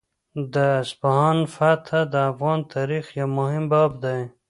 د اصفهان فتحه د افغان تاریخ یو مهم باب دی.